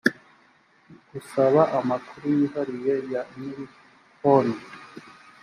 gusaba amakuru yihariye ya nyiri konti